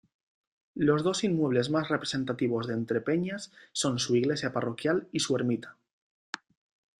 Los dos inmuebles más representativos de Entrepeñas son su iglesia parroquial y su ermita.